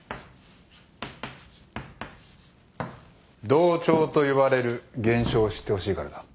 同調と呼ばれる現象を知ってほしいからだ。